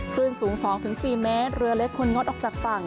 คลื่นสูง๒๔เมตรเรือเล็กควรงดออกจากฝั่ง